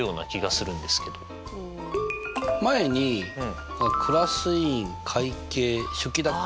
前にクラス委員会計書記だっけ？